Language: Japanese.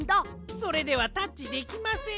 それではタッチできません。